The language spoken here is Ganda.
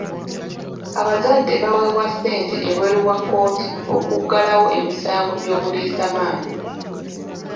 Abazadde baweebwa ssente ebweru wa kkooti okuggalawo emisango gy'obuliisamaanyi.